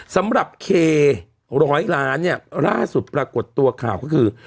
สำหรับเคร้อยล้านเนี่ยล่าสุดปรากฏตัวข่าวก็คือ